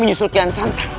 menyusul kian santang